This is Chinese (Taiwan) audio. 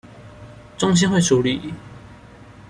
中心會處理